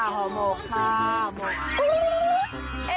ห่อหมกค่ะห่อหมกค่ะ